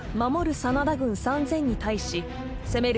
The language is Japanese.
真田軍３，０００に対し攻める